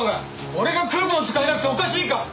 俺がクーポン使えなくておかしいか！？